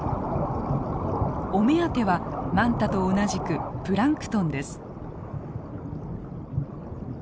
お目当てはマンタと同じくプランクトンです。